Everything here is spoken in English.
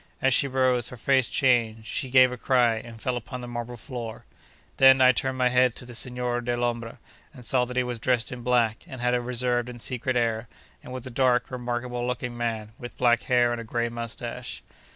As she rose, her face changed, she gave a cry, and fell upon the marble floor. Then, I turned my head to the Signor Dellombra, and saw that he was dressed in black, and had a reserved and secret air, and was a dark, remarkable looking man, with black hair and a grey moustache.